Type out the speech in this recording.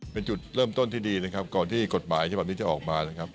เป็นจุดเริ่มต้นที่ดีนะครับก่อนที่กฎหมายฉบับนี้จะออกมานะครับ